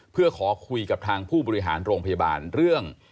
เพื่อขอคุยกับทางผู้บริหารโรงพยาบาลเรื่อง